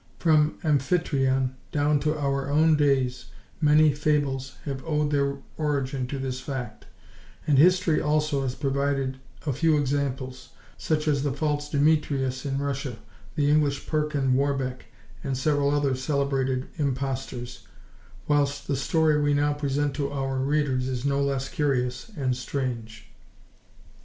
From Amphitryon down to our own days, many fables have owed their origin to this fact, and history also has provided a few examples, such as the false Demetrius in Russia, the English Perkin Warbeck, and several other celebrated impostors, whilst the story we now present to our readers is no less curious and strange.